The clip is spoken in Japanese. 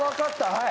はい。